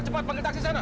cepat panggil taksi sana